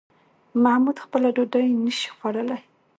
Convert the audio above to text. محمود خپله ډوډۍ نشي خوړلی